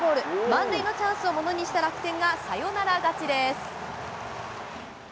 満塁のチャンスをものにした楽天がサヨナラ勝ちです。